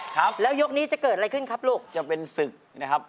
ครับแล้วยกนี้จะเกิดอะไรขึ้นครับลูกจะเป็นศึกนะครับ